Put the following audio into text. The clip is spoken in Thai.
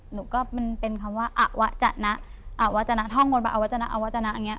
หนูก็เป็นคำว่าอะวะจะนะท่องบนไปอะวะจะนะอะวะจะนะอันเนี้ย